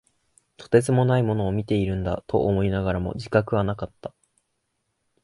とてつもないものを見ているんだと思いながらも、自覚はなかった。